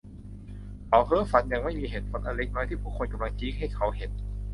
เขาเพ้อฝันอย่างไม่มีเหตุผลอันเล็กน้อยที่ผู้คนกำลังชี้ให้เขาเห็น